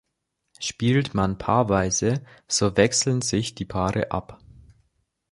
Spielt man paarweise, so wechseln sich die Paare ab.